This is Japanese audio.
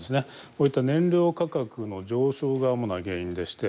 こういった燃料価格の上昇が主な原因でして。